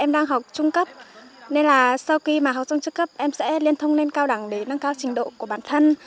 em đang học trung cấp nên là sau khi mà học trong trung cấp em sẽ liên thông lên cao đẳng để nâng cao trình độ của bản thân